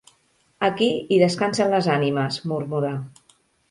Aquí hi descansen les ànimes –murmurà.